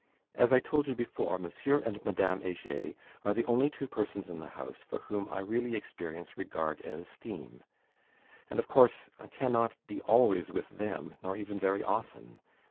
As I told you before, M. and Madame Heger are the only two persons in the house for whom I really experience regard and esteem, and of course, I cannot be always with them, nor even very often.